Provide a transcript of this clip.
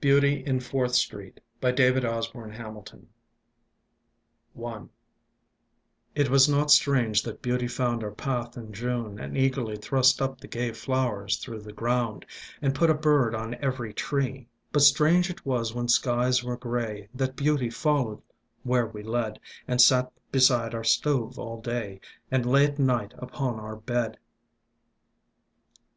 BEAUTY IN FOURTH STREET It was not strange that Beauty found Our path in June, and eagerly Thrust up the gay flowers through the ground And put a bird on every tree. But strange it was when skies were grey That Beauty followed where we led, And sat beside our stove all day, And lay at night upon our bed.